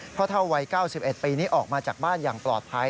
เท่าวัย๙๑ปีนี้ออกมาจากบ้านอย่างปลอดภัย